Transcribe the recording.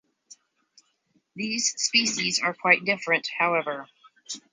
These species are quite different, however.